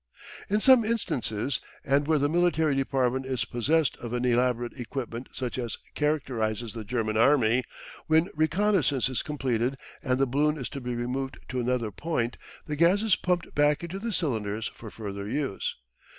In some instances, and where the military department is possessed of an elaborate equipment such as characterises the German army, when reconnaissance is completed and the balloon is to be removed to another point, the gas is pumped back into the cylinders for further use.